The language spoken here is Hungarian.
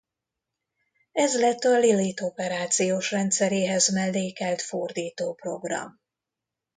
Ez lett a Lilith operációs rendszeréhez mellékelt fordítóprogram.